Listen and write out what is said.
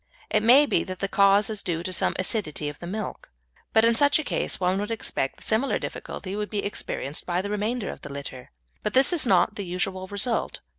It may be that the cause is due to some acidity of the milk, but in such a case one would expect that similar difficulty would be experienced with the remainder of the litter, but this is not the usual result.